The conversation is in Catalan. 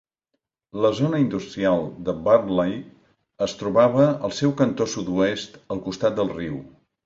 La zona industrial de Burnley es trobava al seu cantó sud-oest al costat de riu.